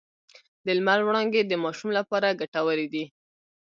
د لمر وړانګې د ماشوم لپاره ګټورې دي۔